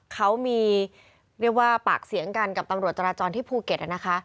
เขามีเรียกว่าปากเสียงกันกับตำรวจจราจรที่ภูเก็ตนะคะ